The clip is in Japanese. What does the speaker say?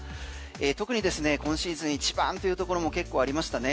特にですね今シーズン一番というところも結構ありましたね。